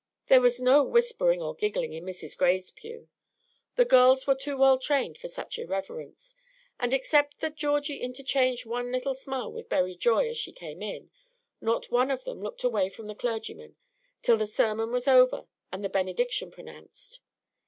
There was no whispering or giggling in Mrs. Gray's pew. The girls were too well trained for such irreverence; and except that Georgie interchanged one little smile with Berry Joy as she came in, not one of them looked away from the clergyman till the sermon was over and the benediction pronounced.